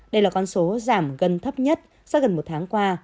đây là con số giảm gần thấp nhất sau gần một tháng qua